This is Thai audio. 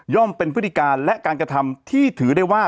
เป็นพฤติการและการกระทำที่ถือได้ว่า